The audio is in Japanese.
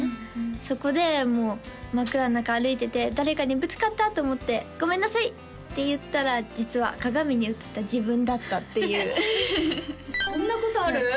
そこでもう真っ暗の中歩いてて誰かにぶつかったと思って「ごめんなさい」って言ったら実は鏡に映った自分だったっていうそんなことある？